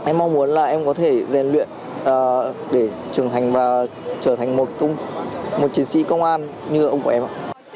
em mong muốn là em có thể rèn luyện để trưởng thành và trở thành một chiến sĩ công an như ông của em ạ